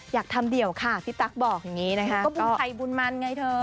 อยากทำเดี่ยวค่ะพี่ตั๊กบอกอย่างนี้นะคะก็บุญไทยบุญมันไงเธอ